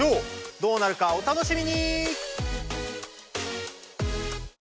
どうなるかお楽しみに！